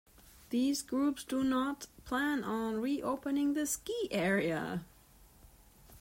These groups do not plan on re-opening the ski area.